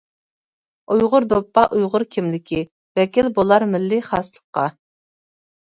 ئۇيغۇر دوپپا ئۇيغۇر كىملىكى، ۋەكىل بولار مىللىي خاسلىققا.